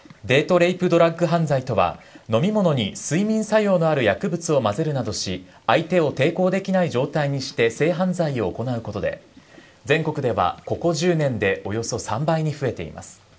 レイプドラッグ犯罪とは飲み物に睡眠作用のある薬物を混ぜるなどし相手を抵抗できない状態にして性犯罪を行うことで全国では、ここ１０年でおよそ３倍に増えています。